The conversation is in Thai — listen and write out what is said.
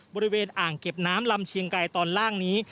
บริเวณอ่างเก็บน้ำลำเชียงไกรตอนล่างนี้